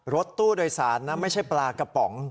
รถตู้โดยสารนะไม่ใช่ปลากระป๋อง